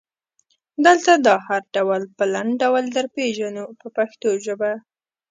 دلته دا هر ډول په لنډ ډول درپېژنو په پښتو ژبه.